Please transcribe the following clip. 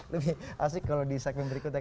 lebih asik kalau di segmen berikutnya